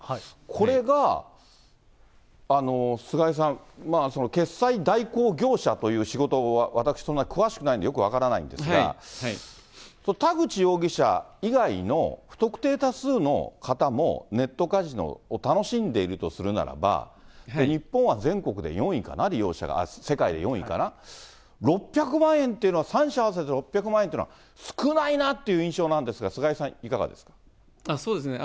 これが菅井さん、決済代行業者という仕事、私そんなに詳しくないんで、よく分からないんですが、田口容疑者以外の不特定多数の方もネットカジノを楽しんでいるとするならば、日本は全国で４位かな、利用者が、世界で４位かな、６００万円というのは、３社合わせて６００万円というのは、少ないなっていう印象なんですが、菅井さん、そうですね。